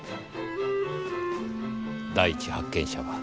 第一発見者は。